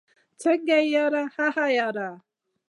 څنګه يې ياره؟ هههه ياره